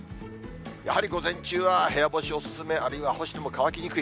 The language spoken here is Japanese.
やはり午前中は部屋干し、お勧め、あるいは干しても乾きにくい。